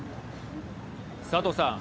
佐藤さん。